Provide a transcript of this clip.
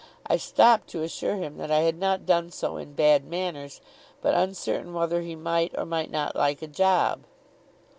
I stopped to assure him that I had not done so in bad manners, but uncertain whether he might or might not like a job.